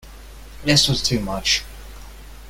This was too much.